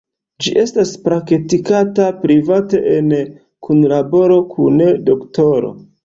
Ĝi estas praktikata private en kunlaboro kun doktoro.